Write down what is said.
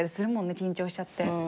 緊張しちゃって。